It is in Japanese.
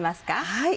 はい。